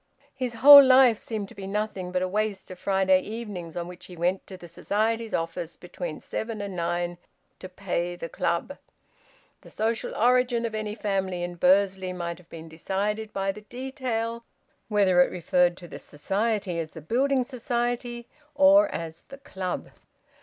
His whole life seemed to be nothing but a vista of Friday evenings on which he went to the Society's office, between seven and nine, to `pay the Club.' The social origin of any family in Bursley might have been decided by the detail whether it referred to the Society as the `Building Society' or as `the Club.'